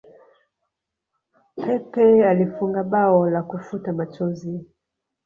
pepe alifunga bao la kufuta machozi